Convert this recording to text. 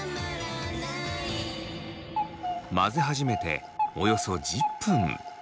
混ぜ始めておよそ１０分。